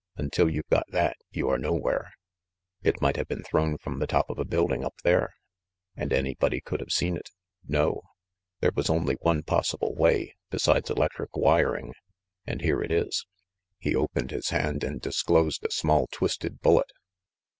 Until you've got that, you are nowhere." "It might have been thrown from the top of a build ing up there." "And anybody could have seen it. No. There was only one possible way, besides electric wiring, and here it is." He opened his hand and disclosed a small twisted bullet.